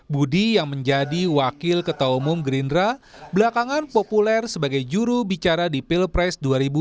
budi yang menjadi wakil ketua umum gerindra belakangan populer sebagai juru bicara di pilpres dua ribu dua puluh